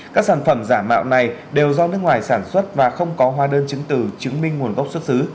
các sản phẩm giả mạo này đều do nước ngoài sản xuất và không có hóa đơn chứng từ chứng minh nguồn gốc xuất xứ